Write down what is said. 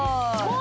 お。